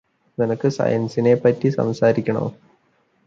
നിനക്ക് സയന്സിനെപ്പറ്റി സംസാരിക്കണോ